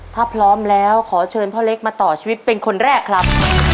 ถ้าพร้อมแล้วขอเชิญพ่อเล็กมาต่อชีวิตเป็นคนแรกครับ